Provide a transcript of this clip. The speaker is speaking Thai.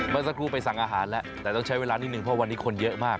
เมื่อสักครู่ไปสั่งอาหารแล้วแต่ต้องใช้เวลานิดนึงเพราะวันนี้คนเยอะมาก